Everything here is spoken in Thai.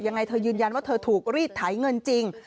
ยังไงเธอยืนยันว่าเธอถูกรีดไถเงินจริง